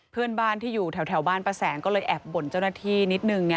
เพื่อนบ้านที่อยู่แถวบ้านป้าแสงก็เลยแอบบ่นเจ้าหน้าที่นิดนึงไง